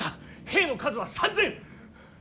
兵の数は３，０００。